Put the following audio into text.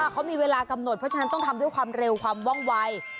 เขามีเวลากำหนดเพราะฉะนั้นต้องทำด้วยความเร็วความว่องวัย